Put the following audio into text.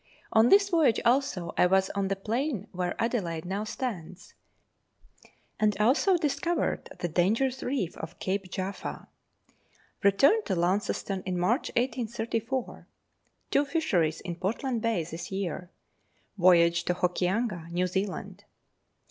On this voyage also I was on the plain where Adelaide now stands; and also discovered the dangerous reef off Cape Jaffa. Returned to Launceston in March 1834. Two fisheries in Portland Bay this year. Voyage to Hokianga, New Zealand.